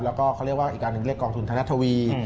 แล้วก็เขาเรียกว่าอีกอันหนึ่งเรียกกองทุนธนทวี